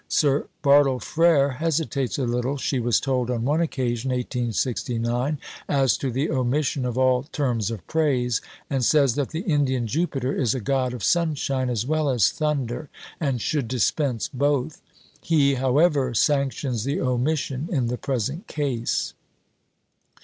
"Sir Bartle Frere hesitates a little," she was told on one occasion (1869), "as to the omission of all terms of praise, and says that the Indian Jupiter is a god of sunshine as well as thunder and should dispense both; he, however, sanctions the omission in the present case."